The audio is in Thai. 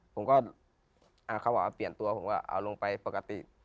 ผมก็เอาคำว่าเปลี่ยนตัวผมก็เอาลงไปปกติ